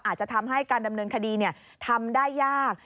อาจจะทำให้การดำเนินคดีทำได้ยาก